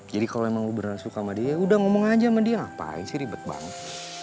jadi kalau emang lu beneran suka sama dia udah ngomong aja sama dia ngapain sih ribet banget